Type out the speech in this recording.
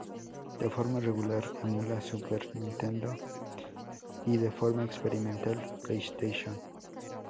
De forma regular emula Super Nintendo y de forma experimental PlayStation.